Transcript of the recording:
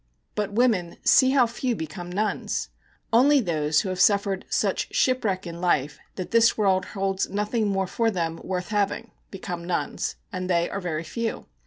But women, see how few become nuns! Only those who have suffered such shipwreck in life that this world holds nothing more for them worth having become nuns. And they are very few.